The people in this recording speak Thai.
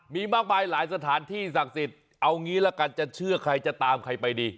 มีมากมายหลายสถานที่ศักดิ์สิทธิ์เอางี้ละกันจะเชื่อใครจะตามใครไปดี